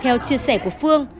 theo chia sẻ của phương